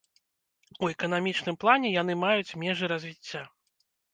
У эканамічным плане яны маюць межы развіцця.